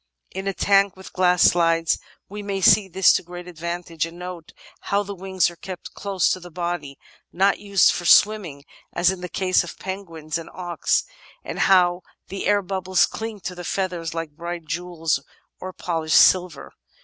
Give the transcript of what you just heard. In a tank with glass sides we may see this to great advantage, and note how the wings are kept close to the body — not used for swimming as in the case of penguins and auks — and how the air bubbles cling to the feathers like bright jewels or polished silver.